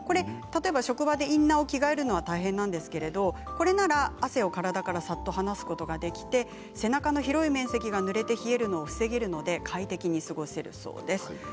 例えば職場でインナーを着替えるのは大変なんですけれどこれなら汗を体からさっと離すことができて背中丸めて広い面積が冷えるのを防ぐので快適に過ごせるそうです。